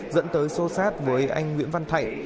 dẫn tới xô xát với anh nguyễn văn thạnh